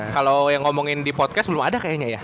kalau yang ngomongin di podcast belum ada kayaknya ya